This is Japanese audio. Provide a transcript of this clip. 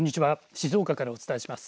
静岡からお伝えします。